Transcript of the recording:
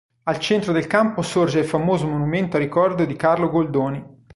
Al centro del campo sorge il famoso monumento a ricordo di Carlo Goldoni.